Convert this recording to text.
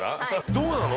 どうなの？